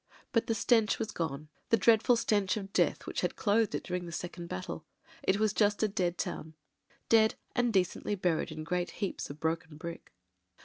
But the stench was gone — the dreadful stench of death which had clothed it during the second battle ; it was just a dead town — dead and decently buried in great heaps of broken brick.